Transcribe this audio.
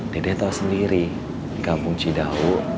dede tau sendiri di kampung cidahu